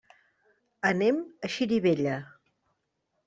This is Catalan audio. Anem a Xirivella.